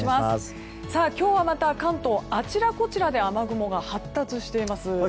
今日はまた関東あちらこちらで雨雲が発達しています。